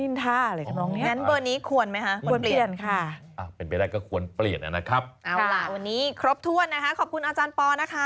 เอาล่ะวันนี้ครบถ้วนนะคะขอบคุณอาจารย์ปอนะคะ